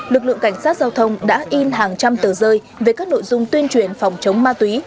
lực lượng cảnh sát giao thông đã in hàng trăm tờ rơi về các nội dung tuyên truyền phòng chống ma túy